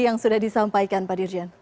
yang sudah disampaikan pak dirjen